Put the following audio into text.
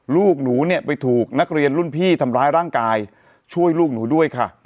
ลูกหนูเนี่ยไปถูกนักเรียนรุ่นพี่ทำร้ายร่างกายช่วยลูกหนูด้วยค่ะ